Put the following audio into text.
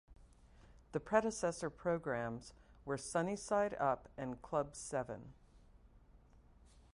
The predecessor programs were "Sunnyside Up" and "Club Seven".